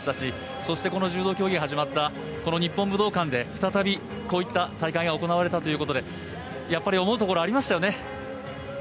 そして、柔道競技が始まったこの日本武道館で再び、こういった大会が行われたということでやっぱり思うところありましたよね。